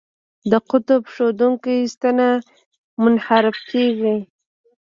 د قطب ښودونکې ستنه منحرفه کیږي.